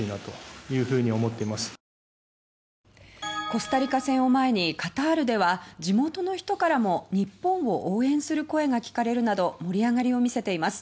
コスタリカ戦を前にカタールでは地元の人からも日本を応援する声が聞かれるなど盛り上がりを見せています。